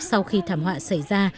sau khi thảm họa xảy ra